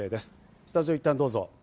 スタジオ、いったんどうぞ。